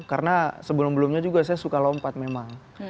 karena sebelum belumnya juga saya suka lompat memang